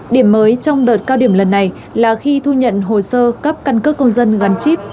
điểm mới trong đợt cao điểm lần này là khi thu nhận hồ sơ cấp căn cước công dân gắn chip